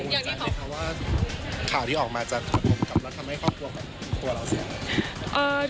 อย่างนี้ค่ะว่าข่าวที่ออกมาจะผสมกับเราทำให้ครอบครัวแบบตัวเราเสียหาย